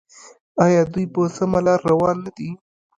آیا دوی په سمه لار روان نه دي؟